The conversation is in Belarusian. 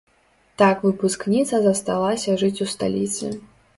Так выпускніца засталася жыць ў сталіцы.